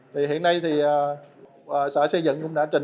thì hiện nay thì sở xây dựng cũng đã trình